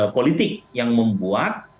politik yang membuat